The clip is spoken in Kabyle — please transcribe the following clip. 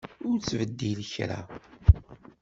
Ur ttbeddil kra.